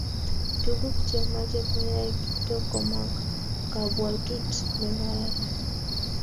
Tuguk che mache koyay Kiptoo koma kabwatut ne kararan